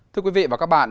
thưa quý vị và các bạn